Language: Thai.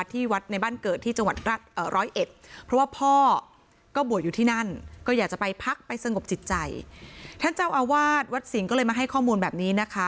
ท่านเจ้าอวาธที่วัดสิงห์ก็มาให้ข้อมูลแบบนี้นะคะ